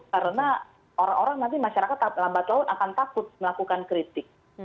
karena orang orang nanti masyarakat lambat laun akan takut melakukan kritik